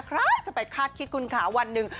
ใครจะไปคาดคิดคุณขาวันหนึ่ง